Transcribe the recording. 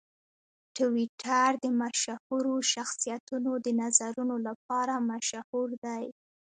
ټویټر د مشهورو شخصیتونو د نظرونو لپاره مشهور دی.